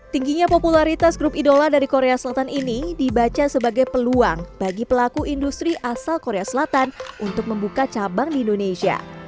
tingginya popularitas grup idola dari korea selatan ini dibaca sebagai peluang bagi pelaku industri asal korea selatan untuk membuka cabang di indonesia